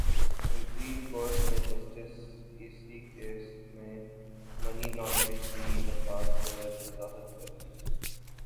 supreme court نے justice Isa case میں money laundering کی دفعات پر وضاحت کردی